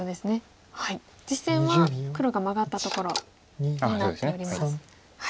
実戦は黒がマガったところになっております。